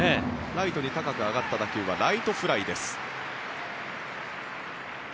ライトに高く上がった打球はライトフライです。